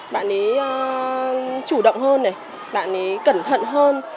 bạn ấy chủ động hơn này bạn ấy cẩn thận hơn